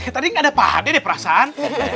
tadi gak ada pak ade deh prasan